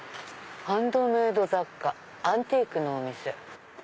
ハンドメイド雑貨アンティークのお店。